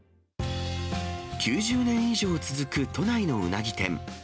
９０年以上続く都内のうなぎ店。